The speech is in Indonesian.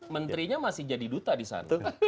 menterinya masih jadi duta di sana